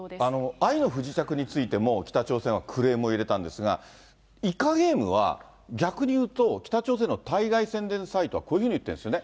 愛の不時着についても北朝鮮はクレームを入れたんですが、イカゲームは、逆に言うと、北朝鮮の対外宣伝サイトはこういうふうに言ってるんですよね。